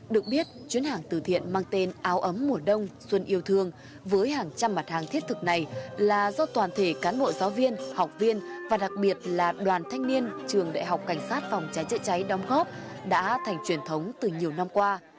được biết chuyến hàng từ thiện mang tên áo ấm mùa đông xuân yêu thương với hàng trăm mặt hàng thiết thực này là do toàn thể cán bộ giáo viên học viên và đặc biệt là đoàn thanh niên trường đại học cảnh sát phòng cháy chữa cháy đóng góp đã thành truyền thống từ nhiều năm qua